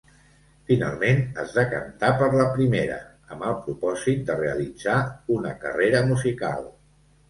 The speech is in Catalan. Finalment, es decantà per la primera amb el propòsit de realitzar una carrera musical.